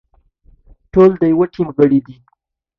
ټول د يوه ټيم غړي دي.